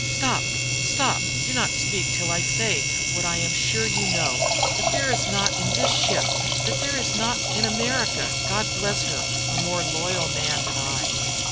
Stop! stop! Do not speak till I say what I am sure you know, that there is not in this ship, that there is not in America, God bless her! a more loyal man than I.